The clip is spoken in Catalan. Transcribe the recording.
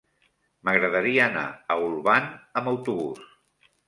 M'agradaria anar a Olvan amb autobús.